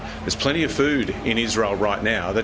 ada banyak makanan di israel sekarang